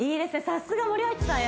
さすが森脇さん